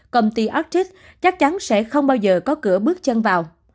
công ty autrix chắc chắn sẽ không bao giờ có cửa bước chân vào